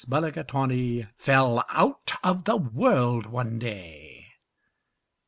Mulligatawny fell out of the world one day. Mr.